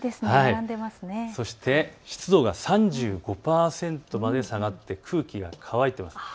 そして湿度が３５％まで下がって、空気が乾いています。